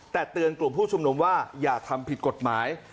แต่เตือนกลุ่มผู้ชุมนุมว่าอย่าทำผิดกฎหมาย